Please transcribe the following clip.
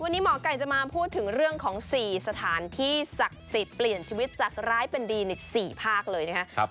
วันนี้หมอไก่จะมาพูดถึงเรื่องของ๔สถานที่ศักดิ์สิทธิ์เปลี่ยนชีวิตจากร้ายเป็นดีใน๔ภาคเลยนะครับ